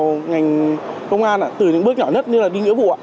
vào ngành công an ạ từ những bước nhỏ nhất như là đi nghĩa vụ ạ